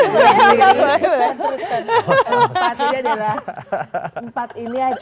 sobat ini adalah